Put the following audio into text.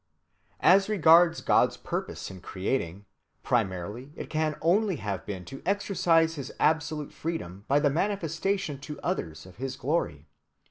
As regards God's purpose in creating, primarily it can only have been to exercise his absolute freedom by the manifestation to others of his glory.